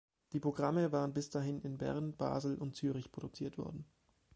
Die Programme waren bis dahin in Bern, Basel und Zürich produziert worden.